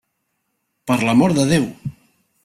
Per l'amor de Déu!